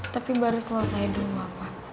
tapi baru selesai dulu apa